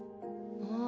ああ